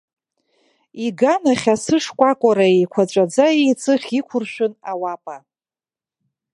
Иганахь асы шкәакәара еиқәаҵәаӡа еиҵых иқәыршәын ауапа.